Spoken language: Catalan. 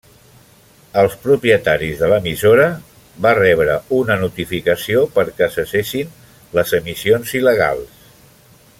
Els propietaris de l'emissora va rebre una notificació perquè cessessin les emissions il·legals.